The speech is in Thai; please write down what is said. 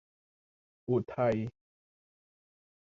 อุทัย